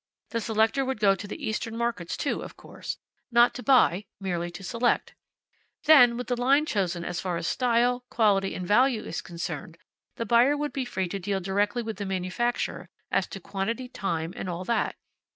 The selector would go to the eastern markets too, of course. Not to buy. Merely to select. Then, with the line chosen as far as style, quality, and value is concerned, the buyer would be free to deal directly with the manufacturer as to quantity, time, and all that.